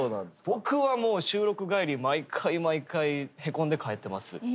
僕はもう収録帰り毎回毎回へこんで帰ってます。